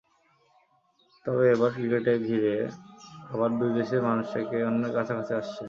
তবে এবার ক্রিকেট ঘিরে আবার দুই দেশের মানুষ একে অন্যের কাছাকাছি আসছে।